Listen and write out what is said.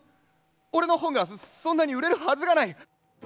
俺の本がそんなに売れるはずがない。